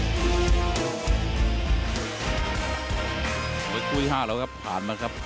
วิ่งที่๕แล้วก็ผ่านมาครับ